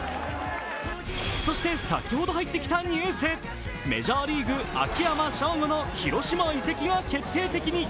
そして先ほど入ってきたニュースメジャーリーグ秋山翔吾の広島移籍が決定的に。